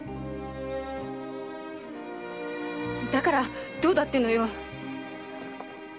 だからどうだってのよ！